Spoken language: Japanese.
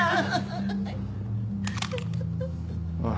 おい。